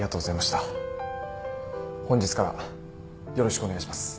本日からよろしくお願いします